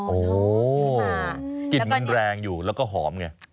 โอ้โหกลิ่นมันแรงอยู่แล้วก็หอมไง